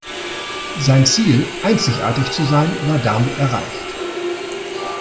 Sein Ziel, einzigartig zu sein, war damit erreicht.